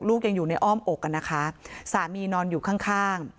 ยังอยู่ในอ้อมอกกันนะคะสามีนอนอยู่ข้างข้าง